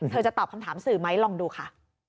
จะตอบคำถามสื่อไหมลองดูค่ะ